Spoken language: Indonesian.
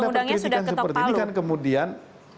nah ketika mendapat kritikan seperti ini kan kemudian